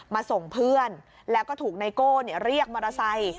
มาส่งเพื่อนแล้วก็ถูกไนโก้เรียกมอเตอร์ไซค์